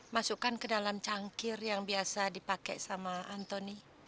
masukkan ke dalam cangkir yang biasa dipakai sama anthony